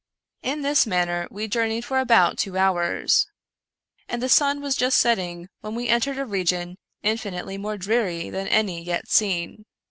In this manner we journeyed for about two hours, and the sun was just setting when we entered a region infinitely more dreary than any yet seen.